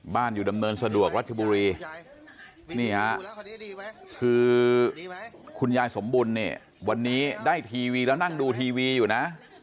บ้านอยู่ดำเนินสะดวกรัชบุรีคุณยายสมบุญวันนี้ได้ทีวีแล้วนั่งดูทีวีอยู่นะ